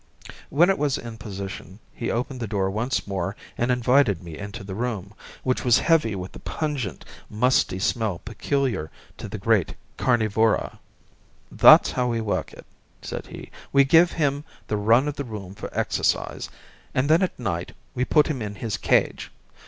When it was in position he opened the door once more and invited me into the room, which was heavy with the pungent, musty smell peculiar to the great carnivora. "That's how we work it," said he. "We give him the run of the room for exercise, and then at night we put him in his cage.